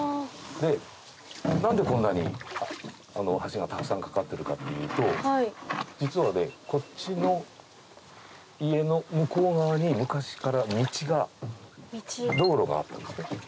何でこんなに橋がたくさんかかってるかっていうと実はねこっちの家の向こう側に昔から道が道路があったんですね。